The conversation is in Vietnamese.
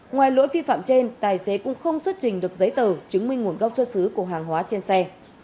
ngoài lỗi vi phạm trên tài xế cũng không xuất trình được giấy tờ chứng minh nguồn gốc xuất xứ của hàng hóa trên xe